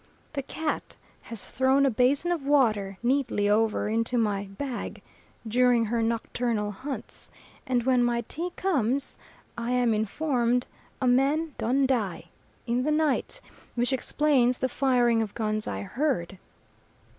The cat has thrown a basin of water neatly over into my bag during her nocturnal hunts; and when my tea comes I am informed a man "done die" in the night, which explains the firing of guns I heard.